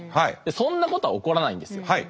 そんなことは起こらないんですよ。